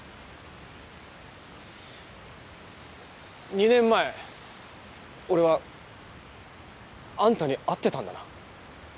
２年前俺はあんたに会ってたんだな。